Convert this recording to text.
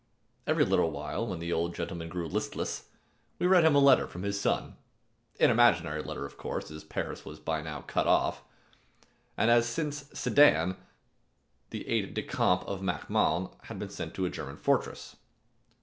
Every little while, when the old gentleman grew listless, we read him a letter from his son, an imaginary letter of course, as Paris was by now cut off, and as since Sedan, the aide de camp of Mac Mahon had been sent to a German fortress.